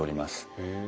へえ。